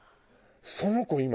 その子